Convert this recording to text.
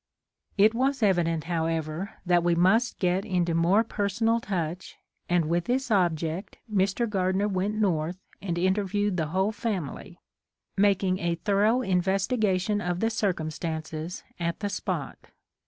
It was evident, however, that we must get into more personal touch, and with this ob ject Mr. Gardner went North and inter viewed the whole family, making a thorough investigation of the circumstances at the spot.